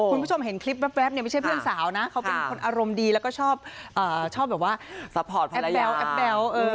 คุณผู้ชมเห็นคลิปแว๊บเนี่ยไม่ใช่เพื่อนสาวนะเขาเป็นคนอารมณ์ดีแล้วก็ชอบแบบว่าแอปแบ๊วแอปแบ๊ว